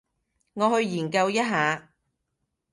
我去研究一下